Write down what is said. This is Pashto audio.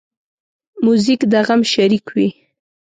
موزیک د غم شریک وي.